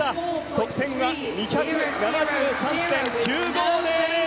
得点が２７３．９５００。